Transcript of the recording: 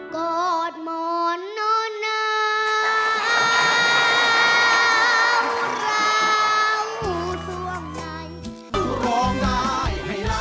กอดหมอนน้ำเราร้องได้ให้ร้าน